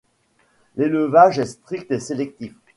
L'élevage est strict et sélectif.